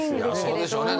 そうでしょうね。